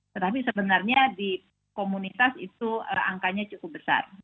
tetapi sebenarnya di komunitas itu angkanya cukup besar